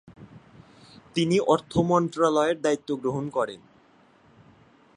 তিনি অর্থমন্ত্রণালয়ের দায়িত্ব গ্রহণ করেন।